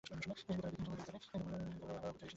ও আমার উপর তেড়ে আসছিল।